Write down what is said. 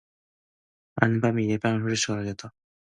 앓는 이의 뺨을 한 번 후려갈겼다.